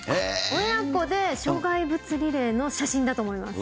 親子で障害物リレーの写真だと思います。